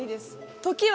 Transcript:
時は。